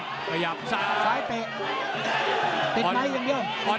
รอแข่งซ้ายเปรกเหล็กในถึงตัวตลอด